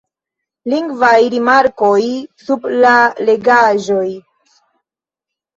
Lingvaj rimarkoj sub la legaĵoj.